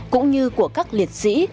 cũng như các liệt sĩ